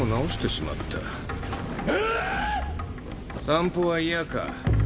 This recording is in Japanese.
散歩は嫌か。